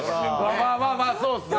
まあまあまあ、そうっすね。